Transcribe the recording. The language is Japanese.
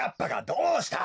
どうした？